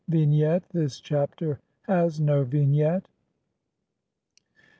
] Vignette : This Chapter has no Vignette.